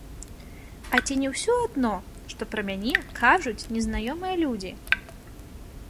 А ці не ўсё адно, што пра мяне кажуць незнаёмыя людзі?!